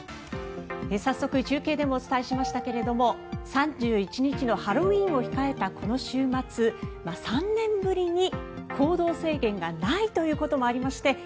早速、中継でもお伝えしましたけれども３１日のハロウィーンを控えたこの週末３年ぶりに行動制限がないということもありまして